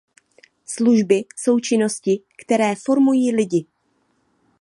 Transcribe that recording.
Služby jsou činnosti, které formují lidi.